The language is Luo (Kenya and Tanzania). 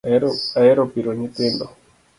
Ahero piro nyithindo